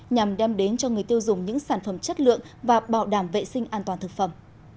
nhằm đem đến cho người tiêu dùng những sản phẩm chất lượng và bảo đảm vệ sinh an toàn thực phẩm